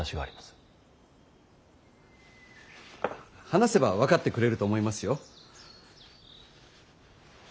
話せば分かってくれると思いますよ。